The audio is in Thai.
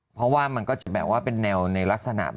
เพราะมันจะเป็นแนวในลักษณะ